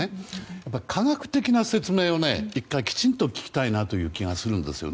やっぱり、科学的な説明を１回きちんと聞きたいなという気がするんですよね。